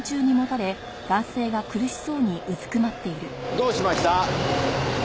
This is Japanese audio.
どうしました？